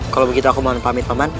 kalau begitu aku mohon pamit paman